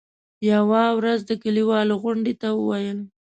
يوه ورځ د کلیوالو غونډې ته وویل.